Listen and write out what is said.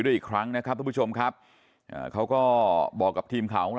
แต่ทำไมเขาต้องโกหกเอาคนอื่นมาเกี่ยวข้องด้วย